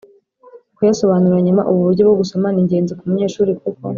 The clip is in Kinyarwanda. kuyasobanura nyuma. Ubu buryo bwo gusoma ni ingenzi ku munyeshuri kuko